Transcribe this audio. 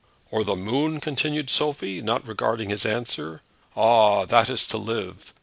"Or the moon?" continued Sophie, not regarding his answer. "Ah; that is to live!